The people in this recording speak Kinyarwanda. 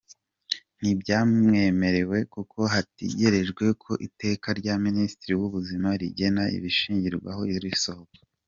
ntibyamwemerewe kuko hagitegerejwe ko iteka rya Minisitiri w’Ubuzima rigena ibishingirwaho risohoka.